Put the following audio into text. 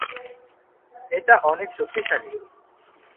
এটা অনেক শক্তিশালী।